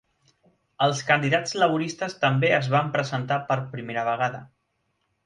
Els candidats laboristes també es van presentar per primera vegada.